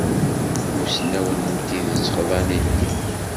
Imussnawen n tidet xḍan i ddin.